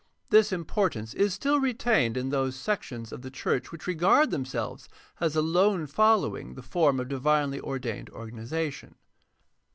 This importance is still retained in those sections of the church which regard themselves as alone fol lowing the form of divinely ordained organization.